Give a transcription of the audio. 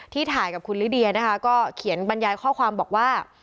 ถ่ายกับคุณลิเดียนะคะก็เขียนบรรยายข้อความบอกว่า